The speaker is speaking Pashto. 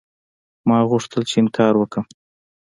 ما غوښتل چې انکار وکړم.